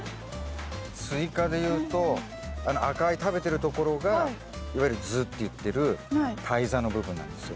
スイカでいうとあの赤い食べてるところがいわゆる「ず」って言ってる胎座の部分なんですよ。